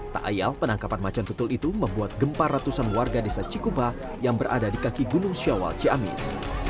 tak ayal penangkapan macan tutul itu membuat gempa ratusan warga desa cikupa yang berada di kaki gunung syawal ciamis